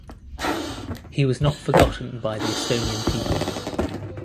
He was not forgotten by the Estonian people.